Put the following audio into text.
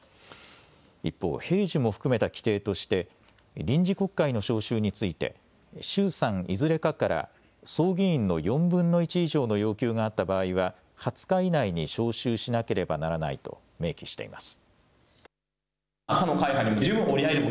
一方、平時も含めた規定として臨時国会の召集について衆参いずれかから総議員の４分の１以上の要求があった場合は２０日以内に召集しなければならないと明記しています。